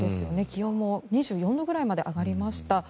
気温も２４度くらいまで上がりました。